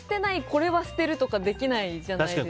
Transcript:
これは捨てるとかできないじゃないですか。